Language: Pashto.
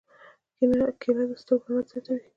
کېله د سترګو رڼا زیاتوي.